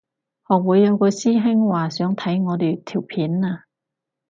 學會有個師兄話想睇我哋條片啊